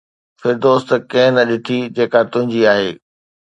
فردوس ته ڪنهن نه ڏٺي جيڪا تنهنجي آهي